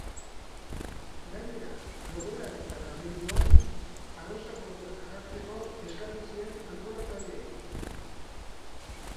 Gainera, logelan eta kamerinoan arrosa gorriak jartzeko eskatu zien antolatzaileei.